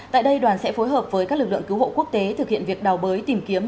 tại đây đoàn sẽ phối hợp với các lực lượng cứu hộ quốc tế thực hiện việc đào bới tìm kiếm